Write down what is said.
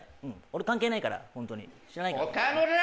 俺関係ないからホントに知らないから。